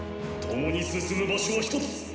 共に進む場所は１つ。